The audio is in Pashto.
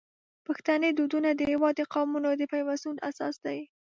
پښتني دودونه د هیواد د قومونو د پیوستون اساس دي.